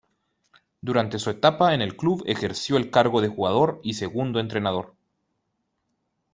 Durante su etapa en el club ejerció el cargo de jugador y segundo entrenador.